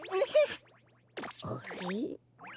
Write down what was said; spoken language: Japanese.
あれ？